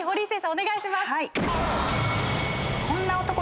お願いします。